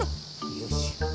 よし。